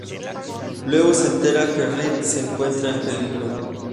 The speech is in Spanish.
Luego se entera que Rick se encuentra en peligro.